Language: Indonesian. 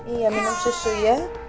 iya minum susu ya